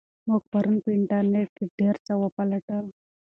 موږ پرون په انټرنیټ کې ډېر څه وپلټل.